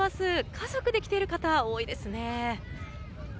家族で来ている方多いですね。